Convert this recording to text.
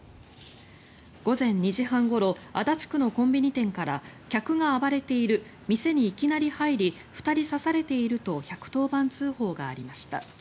午前２時半ごろ足立区のコンビニ店から客が暴れている店にいきなり入り２人刺されていると１１０番通報がありました。